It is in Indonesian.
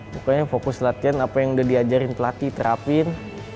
pokoknya fokus latihan apa yang udah diajarin pelatih terapin